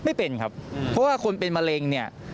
ไม่เป็นครับเพราะว่าคนเป็นมะเร็งเนี่ย